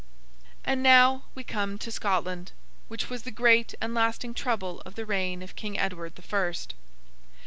And now we come to Scotland, which was the great and lasting trouble of the reign of King Edward the First.